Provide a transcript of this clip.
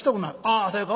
「ああさよか。